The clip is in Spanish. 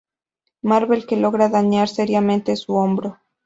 Marvel que logra dañar seriamente su hombro.